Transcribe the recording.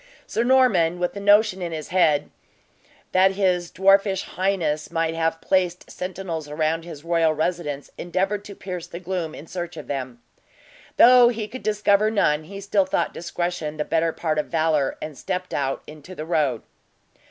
Sir Norman, with a notion in his head that his dwarfish highness might have placed sentinels around his royal residence, endeavored to pierce the gloom in search of them. Though he could discover none, he still thought discretion the better part of valor, and stepped out into the road.